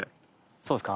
そうですか？